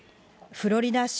フロリダ州